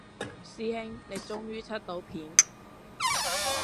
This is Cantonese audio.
師兄你終於出到片